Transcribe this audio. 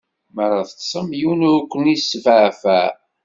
Mi ara teṭṭṣem, yiwen ur kwen-isfeɛfiɛ.